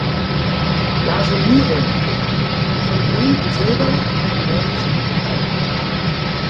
Blasonierung: „Von Grün und Silber im Wellenschnitt geteilt.